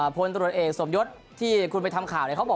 พลตรวจเอกสมยศที่คุณไปทำข่าวเนี่ยเขาบอก